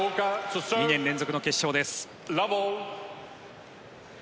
２年連続の決勝です。